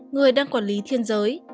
người đang quản lý thiên giới